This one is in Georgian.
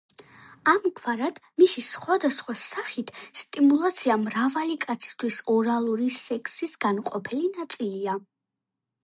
ამგვარად მისი სხვადასხვა სახით სტიმულაცია მრავალი კაცისთვის ორალური სექსის განუყოფელი ნაწილია.